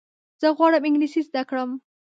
زه غواړم انګلیسي زده کړم.